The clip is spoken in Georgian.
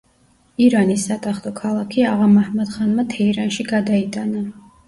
ირანის სატახტო ქალაქი აღა-მაჰმად-ხანმა თეირანში გადაიტანა.